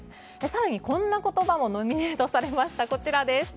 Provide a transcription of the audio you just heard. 更に、こんな言葉もノミネートされました。